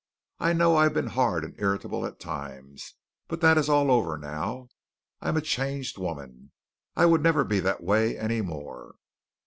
I know I have been hard and irritable at times, but that is all over now. I am a changed woman. I would never be that way any more."